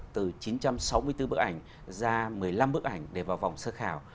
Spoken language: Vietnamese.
từ chín trăm sáu mươi bốn bức ảnh ra một mươi năm bức ảnh để vào vòng sơ khảo